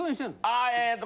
ああえっと